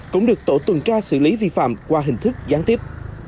cũng được tổ tuần tra xử lý vi phạm qua hình thức gián tiếp